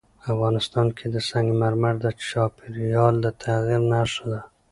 افغانستان کې سنگ مرمر د چاپېریال د تغیر نښه ده.